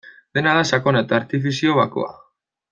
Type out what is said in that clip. Dena da sakona eta artifizio bakoa.